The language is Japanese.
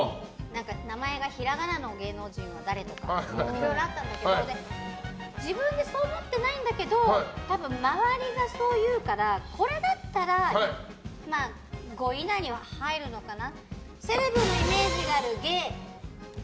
名前がひらがなの芸能人は誰とかいろいろあったんだけど自分でそう思ってないんだけど多分、周りがそう言うからこれだったら５位以内には入るのかな。